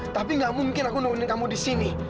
tapi gak mungkin aku nungguin kamu di sini